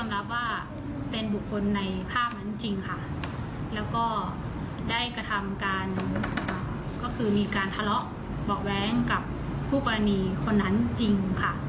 แล้วก็ได้กระทำการทะเลาะเบาะแว้งกับผู้กรณีคนนั้นจริง